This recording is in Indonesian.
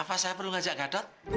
apa saya perlu ngajak gadot